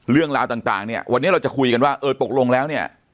เรื่องราวต่างเนี่ยวันนี้เราจะคุยกันว่าเออตกลงแล้วเนี่ย